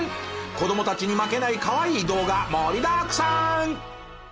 子供たちに負けないかわいい動画盛りだくさん！